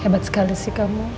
hebat sekali sih kamu